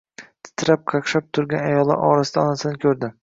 Titrab-qaqshab turgan ayollar orasida onasini ko‘rdi.